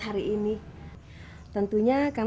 terima kasih juga